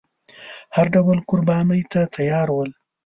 هر ډول قربانۍ ته تیار ول.